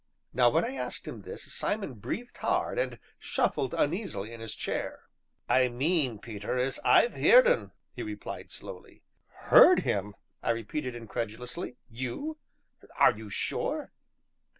Now when I asked him this, Simon breathed hard, and shuffled uneasily in his chair. "I mean, Peter, as I've heerd un," he replied slowly. "Heard him!" I repeated incredulously; "you? Are you sure?"